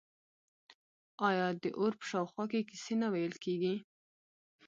آیا د اور په شاوخوا کې کیسې نه ویل کیږي؟